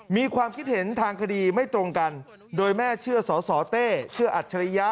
มีความคิดเห็นทางคดีไม่ตรงกันโดยแม่เชื่อสสเต้เชื่ออัจฉริยะ